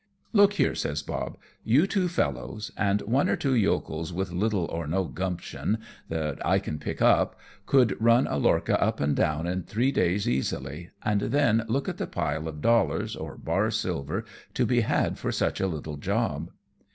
247 " Look here/' says Bob, " you two fellows, and one or two yokels with little or no gumption that I can pick up, could run a lorcha up and down in three days easily ; and then look at the pile of dollars or bar silver to be had for such a little job."